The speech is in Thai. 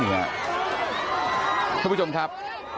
เดี๋ยวพูดชมครับ